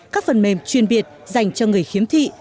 các phần mềm chuyên biệt dành cho người khiếm thị